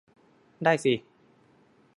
ได้สิ